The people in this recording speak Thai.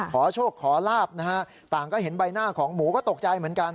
ขอโชคขอลาบนะฮะต่างก็เห็นใบหน้าของหมูก็ตกใจเหมือนกัน